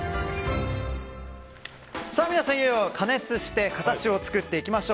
いよいよ加熱して形を作っていきましょう。